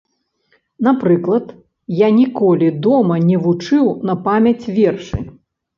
Напрыклад, я ніколі дома не вучыў на памяць вершы.